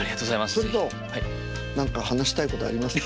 それと何か話したいことありますか？